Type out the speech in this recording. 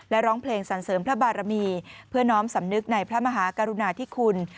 และร้องเพลงสรรเสริมพระบารมีเพื่อน้อมสำนึกในพระมหากรุณาธิคุณ